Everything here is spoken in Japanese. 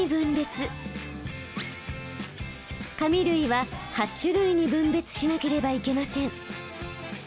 紙類は８種類に分別しなければいけません。